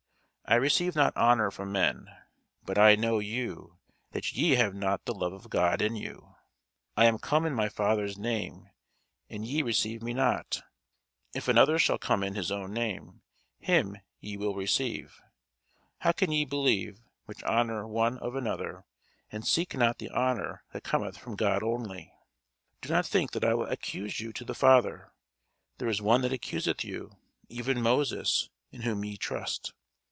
I receive not honour from men. But I know you, that ye have not the love of God in you. I am come in my Father's name, and ye receive me not: if another shall come in his own name, him ye will receive. How can ye believe, which receive honour one of another, and seek not the honour that cometh from God only? Do not think that I will accuse you to the Father: there is one that accuseth you, even Moses, in whom ye trust.